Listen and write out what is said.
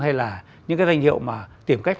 hay là những cái danh hiệu mà tìm cách